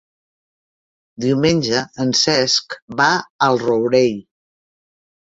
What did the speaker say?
Diumenge en Cesc va al Rourell.